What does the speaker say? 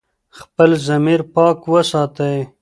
خپل ضمیر پاک وساتئ.